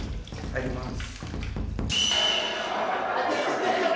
入ります。